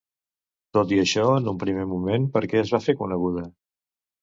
Tot i això, en un primer moment per què es va fer coneguda?